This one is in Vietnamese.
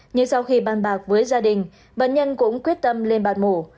nhưng sau khi bàn bạc với gia đình bệnh nhân cũng quyết tâm lên bàn mủ